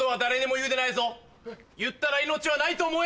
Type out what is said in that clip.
言ったら命はないと思え。